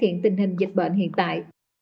hiện tình hình dịch bệnh hiện tại